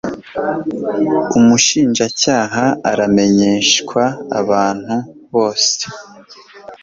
umushinjacyaha aramenyeshwa abantu bose